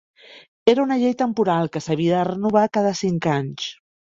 Era una llei temporal que s'havia de renovar cada cinc anys.